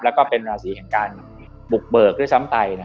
แล้วก็เป็นราศีแห่งการบุกเบิกด้วยซ้ำไป